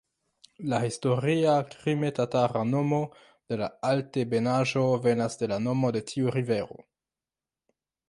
La historia krime-tatara nomo de la altebenaĵo venas de la nomo de tiu rivero.